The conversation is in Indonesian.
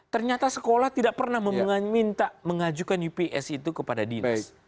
ternyata sekolah tidak pernah meminta mengajukan ups itu kepada dinas